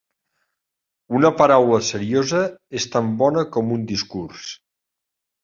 Una paraula seriosa és tan bona com un discurs.